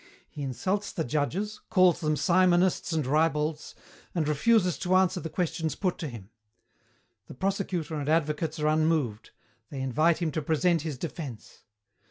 He insults the judges, calls them simonists and ribalds, and refuses to answer the questions put to him. The Prosecutor and advocates are unmoved; they invite him to present his defence.